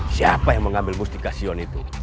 siapa yang mengambil mustikasion itu